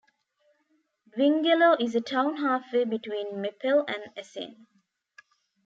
Dwingeloo is a town halfway between Meppel and Assen.